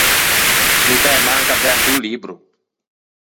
No t’æ manco averto o libbro.